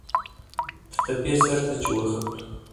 د تپې سر ته چې وخوت.